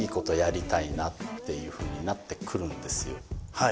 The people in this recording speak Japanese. はい。